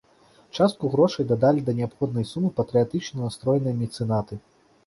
Частку грошай дадалі да неабходнай сумы патрыятычна настроеныя мецэнаты.